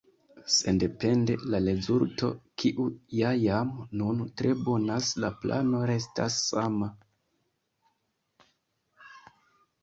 Sendepende de la rezulto, kiu ja jam nun tre bonas, la plano restas sama.